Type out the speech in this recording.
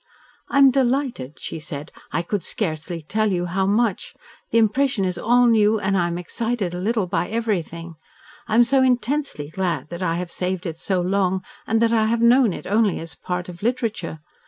"I am delighted," she said. "I could scarcely tell you how much. The impression is all new and I am excited a little by everything. I am so intensely glad that I have saved it so long and that I have known it only as part of literature.